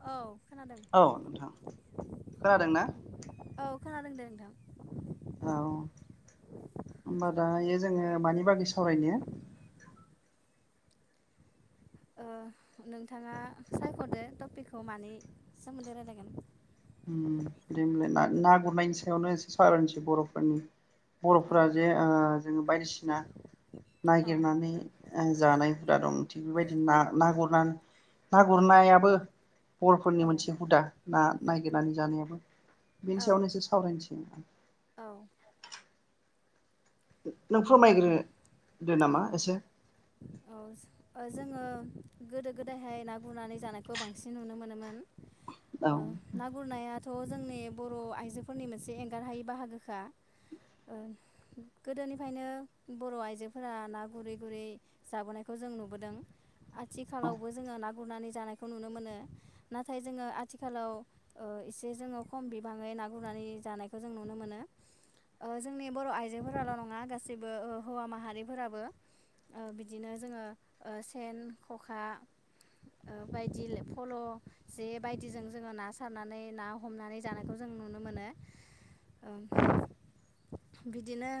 औ खोनादों औ नोंथां खोनादों ना? औ खोनादों दे नोंथां। औ होनोमबा दा बे जोङो मानि बागै सावरायनो? ओ नोंथाङा सायख'दो टपिकखौ मानि सोमोन्दै रायलायगोन। दे होनोमबलाय ना गुरनायनि सायावनो एसे सावरायनोसै बर'फोरनि। औ बर'फोरा जे ओ जोङो बायदिसिना औ नागिरनानै ओ जानाय हुदा दं थि बेबायदि ना ना गुरनानै ना गुरनायाबो बर' फोरनि औ मोनसे हुदा। दा नागिरनानै जानायाबो बेनि औ सायावनोसोर सावरायनोसै। औ नों औ फोरमायग्रो औ औ ज ओ जोङो गोदो गोदायहाय ना गुरनानै जानायखौ बांसिन नुनो मोनोमोन। औ ओ ना गुरनाया थ' जोंनि बर' आइजोफोरनि मोनसे एंगारहायि बाहागोखा ओ गोदोनिफ्रायनो बर' आइजो फोर ना गुरै गुरै जाबोनायखौ जों नुबोदों। औ आथिखालावबो जोङो ना गुरनानै जानायखौ नुनो मोनो। नाथाय जोङो आथिखालाव ओ एसे जोङो खम बिबाङै ना गुरनानै जानायखौ जों नुनो मोनो। ओ जोंनि बर' आइजोफोराल' नङा गासिबो ओ हौवा माहारि फोराबो ओ बिदिनो जोङो ओ सेन, खखा, ओ बायदि फल', जे बायदिजों जोङो ना सारनानै ना हमनानै जानायखौ जों नुनो मोनो। ओ बिदिनो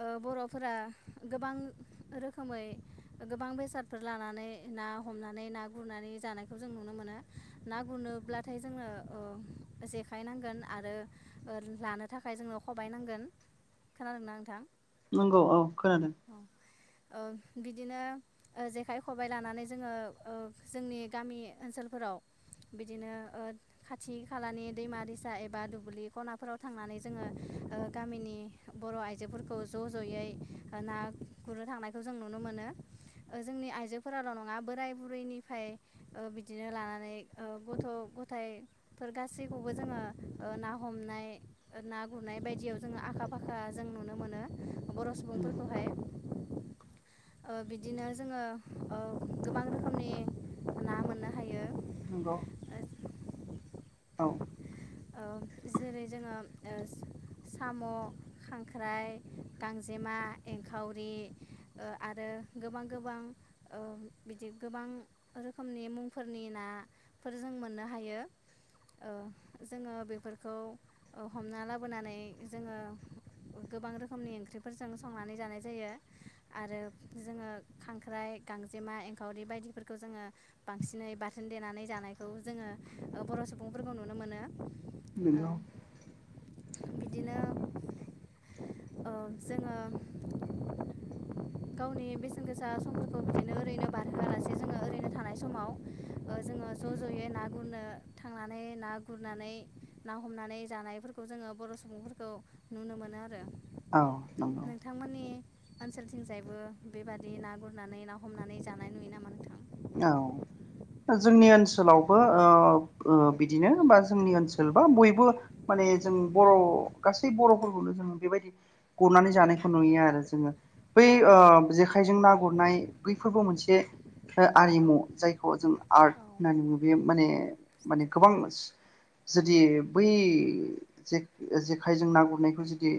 ओ बर'फोरा गोबां रोखोमै गोबां बेसादफोर लानानै ना हमनानै ना गुरनानै जानायखौ जों नुनो मोनो। ना गुरनोब्लाथाय जोंनो ओ जेखाय नांगोन आरो लानो थाखाय जोंनो खबाय नांगोन। खोनादोंना नोंथां? नों औ औ खोनादों। औ ओ बिदिनो ओ जेखाइ खबबाय लानानै जोङो ओ जोंनि गामि ओनसोलफोराव बिदिनो ओ खाथि खालानि दैमा दैसा एबा दुब्लि खनाफोराव थांनानै जोङो ओ गामिनि बर' आइजोफोरखौ ज' ज'यै ओ ना गुरनो थांनायखौ जों नुनो मोनो। ओ जोंनि आइजोफोराल' नङा बोराय बुरैनिफ्राय ओ बिदिनो लानानै ओ गथ' गथायफोर गासैखौबो जोङो ओ ना हमनाय ना गुरनाय बायदियाव जोङो आखा फाखा जों नुनो मोनो बर' सुबुंफोरखौहाय। ओ बिदिनो जोङो ओ गोबां रोखोमनि ना मोननो हायो। नंगौ। औ ओ जेरै जोङो ओ साम', खांख्राइ, गां जेमा, एंखावरि, ओ आरो गोबां गोबां ओ बिदि गोबां रोखोमनि मुंफोरनि नाफोर जों मोननो हायो। ओ जोङो बेफोरखौ ओ हमना लाबोनानै जोङो गोबां रोखोमनि ओंख्रि फोरजों संनानै जानाय जायो। आरो जोङो खांख्राइ, गांजेमा, एंखावरि, बायदिफोरखौ जोङो बांसिनै बाथोन देनानै जानायखौ जोङो ओ बर' सुबुंफोरखौ नुनो मोनो। औ नोंगौ। बिदिनो ओ जोङो गावनि बेसेन गोसा समफोरखौ बिदिनो ओरैनो बारहोआलासे जोङो ओरैनो थानाय समाव ओ जोङो ज' ज'यै ना गुरनो थांनानै ना गुरनानै ना हमनानै जानायफोरखौ जोङो बर' सुबुंफोरखौ नुनो मोनो आरो‌। औ नंगौ नोंथांमोननि ओनसोलथिंजायबो बेबादि ना गुरनानै ना हमनानै जानाय नुयो नामा नोंथां? औ। जोंनि ओनसोलावबो ओ ओ बिदिनो बा जोंनि ओनसोल बा बयबो माने जों बर' गासै बर'फोरखौनो जों बेबायदि गुरनानै जानायखौ नुयो आरो जोङो। बै औ ओ जेखायजों ना गुरनाय बैफोरबो मोनसे ओ औ आरिमु जायखौ जों आर्ट औ होननानै बुङो बे माने माने गोबां जुदि बै जे जेखाइजों ना गुरनायखौ जुदि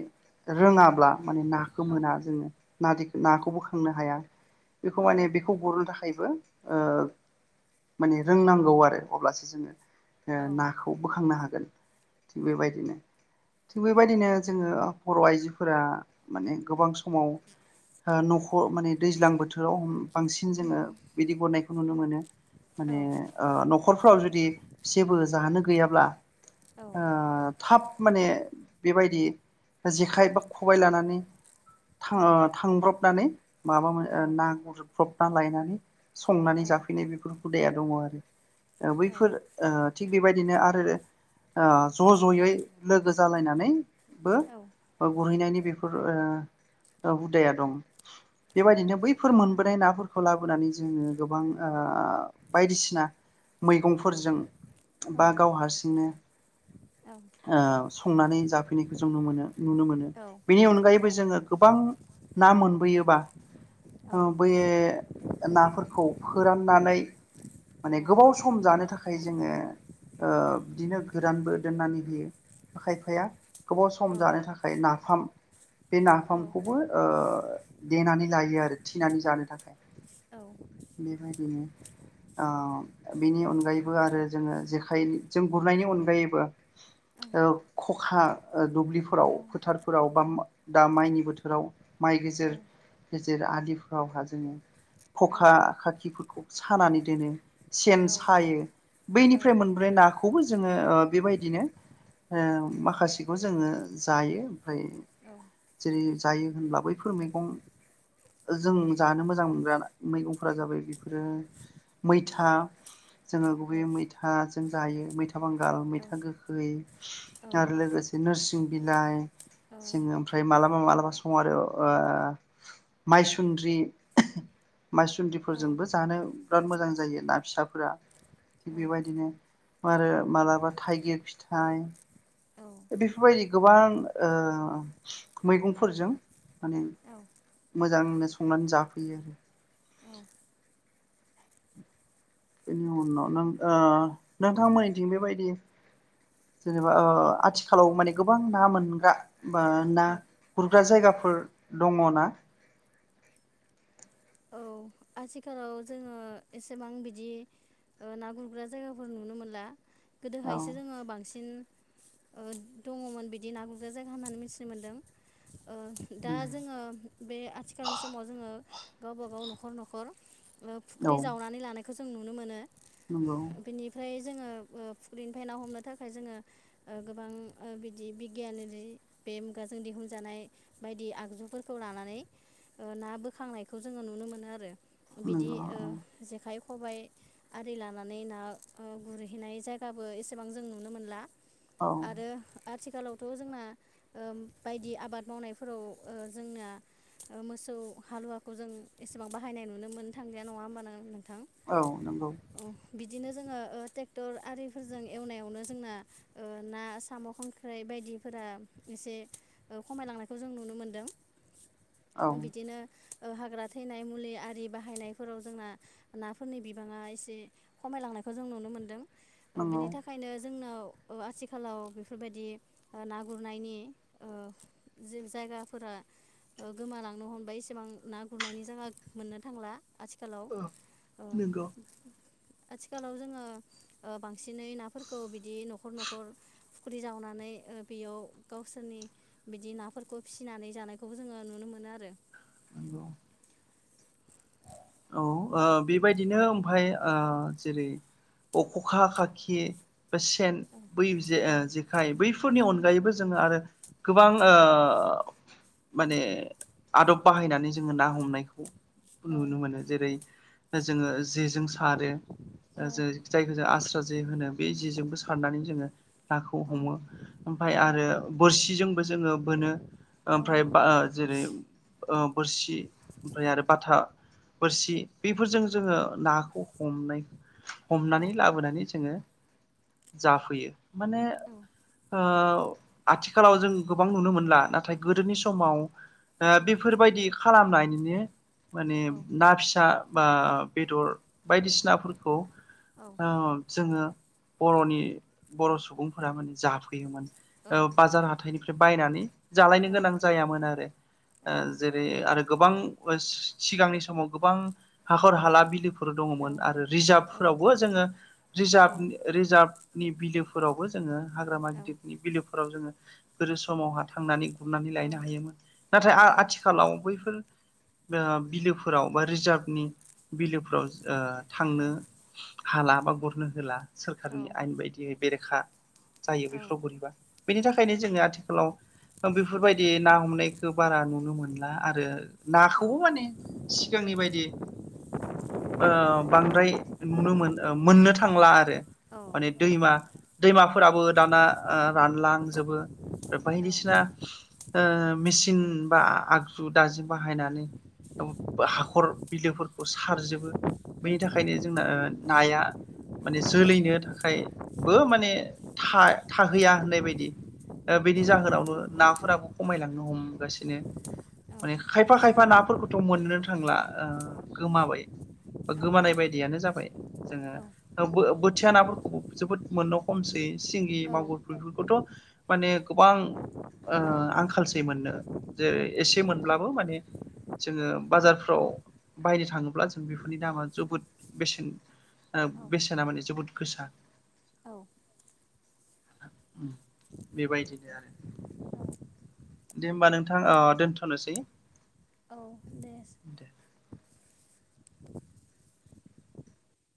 रोङाब्ला माने नाखौ मोना जोङो नादि नाखौ बोखांनो हाया। बेखौ औ माने बेखौ बरननो थाखा यबो माने रोंनांगौ आरो अब्लासो जोङो ओ औ नाखौ बोखांनो हागोन। थिग बेबायदिनो। थिग औ बेबायदिनो जोङो बर' आइजोफोरा माने गोबां स माव न' खर माने दैज्लां बोथोराव बांसिन उम जोङो हनायखौ नुनो मोनो। औ माने ओ न'खरफ्राव जुदि जेबो जाहोनो गैयाब्ला ओ थाब माने बेबायदि जेखाइ बा खबाय लानानै था औ ओ थांब्रबनानै माबामोन ओ ना गुर सफता लायनानै संनानै औ जाफैनाय बेफोर हुदाया दङो आरो। ओ औ बैफोर ओ थिग बेबायदिनो आरो ओ ज' ज'यै लोगो जालायनानै बो औ ओ गुरहैनायनि बेफोर ओ ओ हुदाया दं। बेबायदिनो बैफोर मोनबोनाय नाफोर खौ लाबोनानै जो जोङो गोबां ओ बायदिसिना मैगंफोरजों। बा गाव हारसिंनो। ओ संनानै जाफै [unintelligible] ओम नुनो मोनो औ बेनि अनगायैबो औ जोङो गोबां ना मोनबोयोबा औ हो बैयो। नाफोरखौ फोराननानै माने गोबाव सम जानो थाखाय। जोङो ओ बिदिनो गोरानबो दोननानै होयो खायफाया। गोबाव सम जानो थाखाय ना। नाफाम बे नाफामखौबो ओ देनानै लायो आरो थिनानै जानो थाखाय। बेबायदिनो। आ बेनि अनगायैबो आरो जोङो जेखाइ जों गुरनायनि अनगायैबो ओ खखा ओ दुब्लिफोर फोराव फोथारफोराव बा मा दा माइनि बोथोराव माइ गेजेर गेजेर आलि औ हा जोङो। खखा खाखिखुखु सानानै दोनो। सेन सायो बैनिफ्राय मोनब्रै नाखौबो जोङो ओ बेबायदिनो ओ माखासेखौ जोङो जायो ओमफ्राय जेरै- जायो होनब्ला बैफोर मैगं जों जानो मोजां मोनग्रा मैगंफोरा जाबाय बेफोरो मैथा, जोङो गुबैयै मैथा जों जायो मैथा बांगाल मैथा गोखै आरो लोगोसे नोरसिं बिलाय जोङो ओमफ्राय मालाबा मालाबा [unintelligible] आरो ओ माइसुन्द्रि मायसुनद्रि फोरजोंबो जानो बिराद मोजां जायो। ना फिसाफोरा थिग बेबायदिनो आरो मालाबा थाइगिर फिथाइ बिफोरबायदि गोबां ओ मैगंफोरजों माने मोजांनो संनानै जाफैयो आरो। बेनि उनाव नों ओ नोंथांमोनिथिं बेबायदि जेनेबा ओ आथिखालाव माने गोबां ना मोनगा बा ना गुरग्रा जायगा फोर दङ ना? औ आथिखालाव जोङो एसेबां बिदि ओ ना गुरग्रा जायगाफोर नुनो मोनला। औ गोदोहायसो जोङो बांसिन। ओ दङमोन बिदि ना गुरग्रा जायगा होननानै मिथिनो मोनदों। ओ दा नंगौ जोङो बे आथिखालनि समाव जोङो। गावबा गाव न'खर न'खर। ओ औ फुख्रि जावनानै लानाय। खौ जों नुनो मोनो। नंगौ। बेनिफ्राय जोङो ओ फुख्रिनिफ्राय ना हमनो थाखाय जोङो ओ गोबां बिदि बिगियान बे मुगाजों दिहुनजानाय बायदि आगजुफोरखौ लानानै ओ ना बोखांनाय। खौ जोङो नुनो मोनो आरो। बिदि नंगौ ओ जेखाइ। खबाइ आरि लानानै ना गुरहैनाय जायगाबो एसेबां जों नुनो मोनला। औ आरो आथि खालावथ' जोंना ओ बायदि आबाद मावनायफोराव ओ जोंना मोसौ हालुवा। खौ जों एसेबां बाहायनाय नुनो मोननो थांलिया नङा होमबा [unintelligible] औ नंगौ। औ बिदिनो जोङो ओ टेक्टर आरिफोरजों एवनायावनो जोंना ओ ना, साम', खांख्राइ बायदिफोरा एसे खमायलांनायखौ जों नुनो मोनदों। औ बिदिनो ओ हाग्रा थैनाय मुलि आरि बाहायनायफोराव जोंना नाफोरनि बिबाङा एसे खमायलांनायखौ जों नुनो मोनदों। ओ नंगौ बिनि थाखायनो जोंनाव। ओ आथिखालाव बेफोरबायदि ओ ना गुरनायनि ओ जायगाफोरा ओ गोमालांनो हमबाय एसेबां। ना गुरनायनि जायगा मोननो थांला। आथिखालाव ओ नंगौ आथिखालाव जोङो ओ बां सिनै नाफोरखौ बिदि न'खर न'खर। फुख्रि जावनानै ओ बेयाव गावसोरनि बिदि नाफोरखौ फिनानै जानायखौबो जोङो नुनो मोनो आरो। नंगौ। औ। ओ औ बेबायदिनो ओमफाय। ओ जेरै अख'खा खाखि। सेन औ बै जे‌ ओ जेखाय बै। फोरनि अनगायैबो जोङो आरो गोबां ओ माने आदब बाहायनानै जोङो ना हमनायखौ नुनो मोनो। जेरै जोङो जेजों सारो जेरै जायखौ जों आस्रा जे होनो बे जेजोंबो सार गानिन जोङो। नाखौ हमो ओमफ्राय आरो बोरसिजोंबो जोङो बोनो ओमफ्राय बा जेरै औ बोरसि ओमफ्राय आरो बाथा। बोरसि बेफोरजों जोङो नाखौ हमनाय हमनानै लाबोनानै जोङो जाफैयो माने ओ। आथिखालाव जों गोबां नुनो मोनला नाथाय गोदोनि समाव बेफोरबायदि खालामनाय निनो माने फोरसा बा बेदर बायदिसिनाफोरखौ ओ जोङो बर'नि बर' सुबुंफोरा माने जाफैयोमोन औ बाजार हाथाइनिफ्राय फ्राय बायनानै जालायनो गोनां जायामोन आरो ओ जेरै आरो। गोबां ओ सिगांनि समाव गोबां हाखर हाला बिलोफोर फोर दङमोन आरो रिजार्भफोरावबो जोङो रिजार्भ रिजार्भ नि बिलोफोरावबो जोङो हाग्रामा गिदिरनि बिलु फोराव जोङो गोदो समावहा थांनानै गुरनानै लायनो हायोमोन नाथाय आथिखालाव बैफोर बिलो फोराव बा रिजार्भनि बिलो औ औ थांनो हाला बा गुरनो होला सोरखारनि आयेन बायदियै बेरखा जायो बेफोराव गोरैबा बेनि थाखायनो जोङो आथिखालाव बेफोरबायदि ना हमनायखौ बारा नुनो मोनला आरो। नााखौबो माने सिगांनि बायदि ओ बांद्राय नुनो मोन मोननो थांला आरो माने दैमा -दैमा फोराबो दाना रानलांजोबो बायदिसिना ओ मेसिन बा आगजु दाजि बाहायनानै हाखर बिलोफोरखौ सारजोबो बेनि थाखायनो जोंना नाया माने जोलैनो थाखायबो माने थाहैया होननाय बायदि बेनि जाहोनावनो नाफोराबो खमायलांनो हमगासिनो माने खायफा खायफा नाफोरखौथ' मोनोनो थांला गोमाबाय बा गोमानाय बायदियानो जाबाय जोङो बोथिया नाफोरखौबो जोबोद मोननो हमसै सिंगि मागुर बेफोरखौथ' माने गोबां आंखालसै मोननो जेरै एसे मोनब्लाबो माने जोङो बाजारफ्राव बायनो थाङोब्ला जों बेफोरनि दामा जोबोद बेसेन बेसेना माने जोबोद गोसा बेबायदिनो आरो। दे होमबा नोंथां दोनथ'नोसै। औ दे।